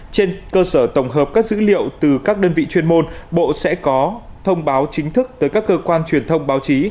trên cơ sở tổng hợp các dữ liệu từ các đơn vị chuyên môn bộ sẽ có thông báo chính thức tới các cơ quan truyền thông báo chí